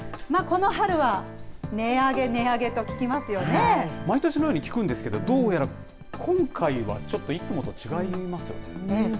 この春は、値上げ、値上げと聞き毎年のように聞くんですけれども、どうやら今回はちょっといつもと違いますよね。